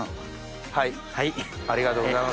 ありがとうございます。